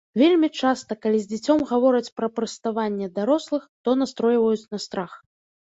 Вельмі часта, калі з дзіцем гавораць пра прыставанне дарослых, то настройваюць на страх.